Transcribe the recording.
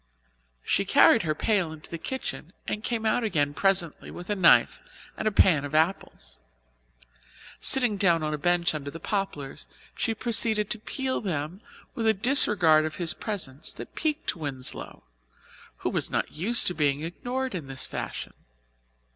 She carried her pail into the kitchen and came out again presently with a knife and a pan of apples. Sitting down on a bench under the poplars she proceeded to peel them with a disregard of his presence that piqued Winslow, who was not used to being ignored in this fashion.